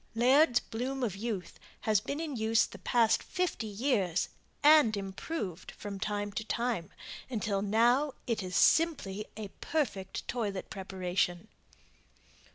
Laird's "Bloom of Youth" has been in use the past fifty years and improved from time to time, until now it is simply a perfect toilet preparation.